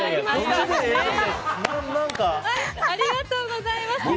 ありがとうございます！